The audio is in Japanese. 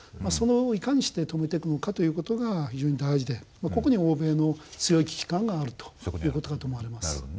それをいかにして止めていくのかという事が非常に大事でここに欧米の強い危機感があるという事かと思われます。